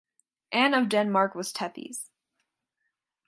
Anne of Denmark was Tethys.